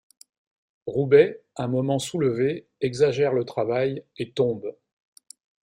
Roubaix, un moment soulevé, exagère le travail et tombe.